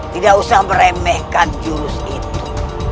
tidak usah meremehkan jurus itu